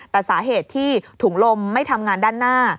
แต่สาเหตุที่ถุงลมไม่ทำงานด้านหน้า